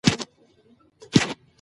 یا عاید زیات کړئ.